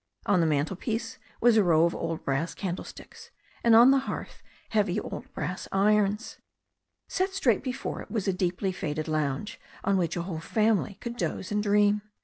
On the mantelpiece was a row of old brass candlesticks, and on the hearth heavy old brass irons. Set straight before it was a deep faded lounge, on which a whole family could doze and dream.